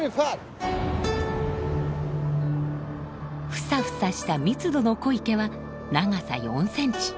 フサフサした密度の濃い毛は長さ４センチ。